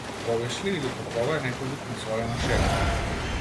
Кобиш ли или пак ова е некој вид несолена шега?